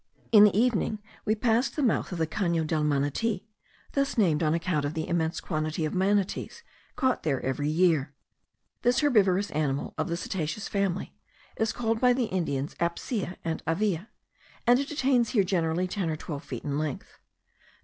In the evening we passed the mouth of the Cano del Manati, thus named on account of the immense quantity of manatees caught there every year. This herbivorous animal of the cetaceous family, is called by the Indians apcia and avia,* and it attains here generally ten or twelve feet in length.